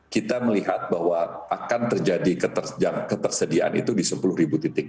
kita melihat bahwa akan terjadi ketersediaan itu di sepuluh titik